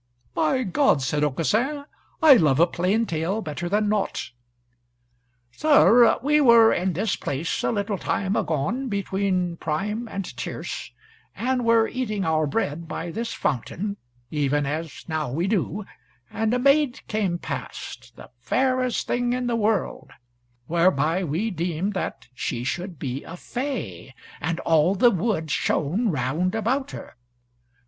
"By God," saith Aucassin, "I love a plain tale better than naught." "Sir, we were in this place, a little time agone, between prime and tierce, and were eating our bread by this fountain, even as now we do, and a maid came past, the fairest thing in the world, whereby we deemed that she should be a fay, and all the wood shone round about her.